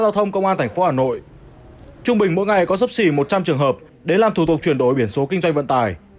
trung bình mỗi ngày có sấp xỉ một trăm linh trường hợp để làm thủ tục chuyển đổi biển số kinh doanh vận tài